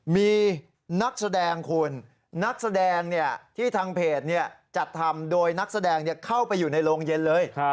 มีนักแสดงคุณนักแสดงที่ทางเพจจัดทำโดยนักแสดงเข้าไปอยู่ในโรงเย็นเลย